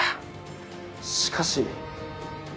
しかし。